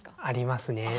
ありますね。